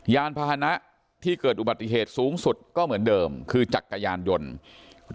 ยานพาหนะที่เกิดอุบัติเหตุสูงสุดก็เหมือนเดิมคือจักรยานยนต์